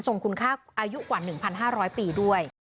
คุณค่าอายุกว่า๑๕๐๐ปีด้วย